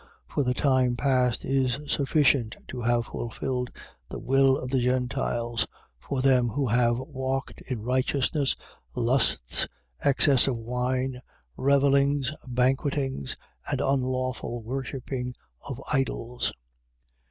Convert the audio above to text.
4:3. For the time past is sufficient to have fulfilled the will of the Gentiles, for them who have walked in riotousness, lusts, excess of wine, revellings, banquetings and unlawful worshipping of idols.